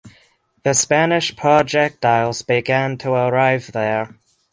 The Spanish projectiles began to arrive there.